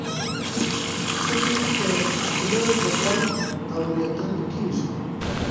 ټکي په خوله بدل اورېدل کېږي.